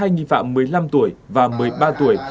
hai nghi phạm một mươi năm tuổi và một mươi ba tuổi